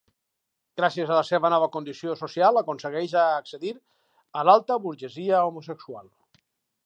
Gràcies a la seva nova condició social aconsegueix a accedir a l'alta burgesia homosexual.